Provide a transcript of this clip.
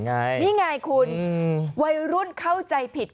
นี่ไงคุณวัยรุ่นเข้าใจผิด